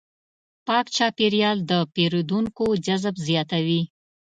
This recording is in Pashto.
پاک چاپېریال د پیرودونکو جذب زیاتوي.